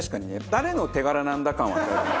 誰の手柄なんだ感は。